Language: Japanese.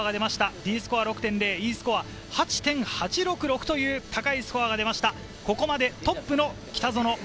Ｄスコア６．０、Ｅスコア８．８６６という高いスコアが出ました。